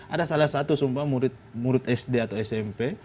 ada salah satu sumpah murid sd atau smp